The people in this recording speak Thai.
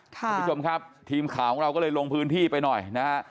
คุณผู้ชมครับทีมข่าวของเราก็เลยลงพื้นที่ไปหน่อยนะฮะ